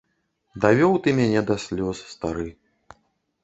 Давёў ты мяне да слёз, стары.